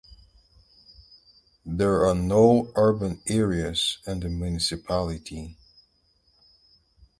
There are no urban areas in the municipality.